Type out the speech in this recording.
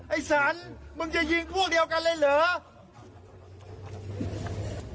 ไอ้สันมึงจะยิงพวกเดียวกันเลยเหรอ